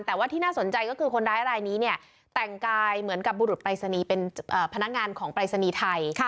แต่ว่าที่น่าสนใจก็คือคนร้ายรายนี้เนี่ยแต่งกายเหมือนกับบุรุษปรายศนีย์เป็นพนักงานของปรายศนีย์ไทย